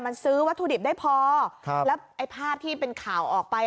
มันซื้อวัตถุดิบได้พอครับแล้วไอ้ภาพที่เป็นข่าวออกไป